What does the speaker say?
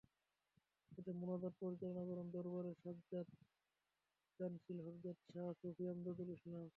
এতে মোনাজাত পরিচালনা করেন দরবারের সাজ্জাদানশীন হজরত শাহ সুফি এমদাদুল ইসলাম।